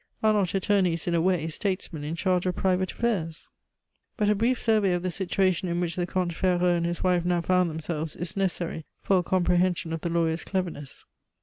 Are not attorneys, in a way, statesmen in charge of private affairs? But a brief survey of the situation in which the Comte Ferraud and his wife now found themselves is necessary for a comprehension of the lawyer's cleverness.